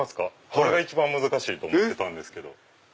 これが一番難しいと思ってたんですけど。